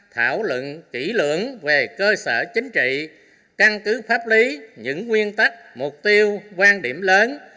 thảo luận kỹ lưỡng về cơ sở chính trị căn cứ pháp lý những nguyên tắc mục tiêu quan điểm lớn